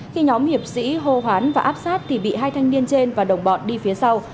khi nhóm hiệp sĩ hô hoán và áp sát thì bị hai thanh niên trên và đồng bọn đi phía sau